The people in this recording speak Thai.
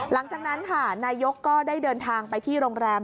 หลังจากนั้นค่ะนายกก็ได้เดินทางไปที่โรงแรม